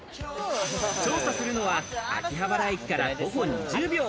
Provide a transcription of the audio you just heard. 調査するのは秋葉原駅から徒歩２０秒。